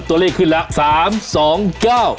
ตัวเลขขึ้นแล้ว๓๒๙